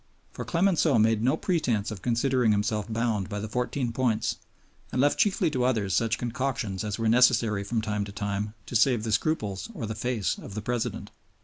For Clemenceau made no pretense of considering himself bound by the Fourteen Points and left chiefly to others such concoctions as were necessary from time to time to save the scruples or the face of the President.